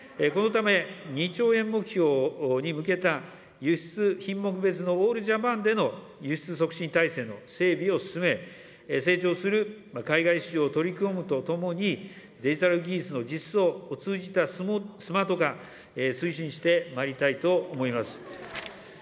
このため、２兆円目標に向けた輸出品目別のオールジャパンでの輸出促進体制の整備を進め、成長する海外市場を取り込むとともに、デジタル技術の実装を通じたスマート化、推進してまいりたいと思います。